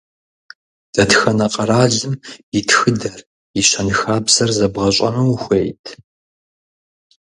Дэтхэнэ къэралым и тхыдэр и щэнхабзэр зэбгъэщӏэну ухуейт?